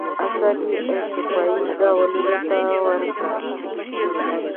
اثر یې اتوپیایي ناولونو ته ورته دی.